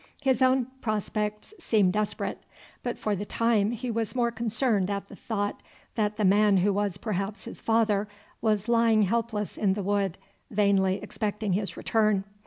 His own prospects seemed desperate, but for the time he was more concerned at the thought that the man who was perhaps his father was lying helpless in the wood vainly expecting his return.